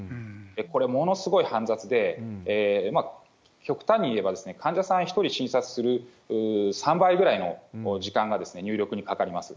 これ、ものすごい煩雑で、極端に言えば、患者さん１人診察する３倍ぐらいの時間が入力にかかります。